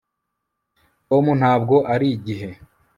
tom ntabwo arigihe